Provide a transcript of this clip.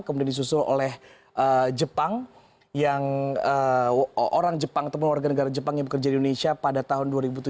kemudian disusul oleh jepang yang orang jepang ataupun warga negara jepang yang bekerja di indonesia pada tahun dua ribu tujuh belas